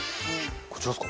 こちらですか？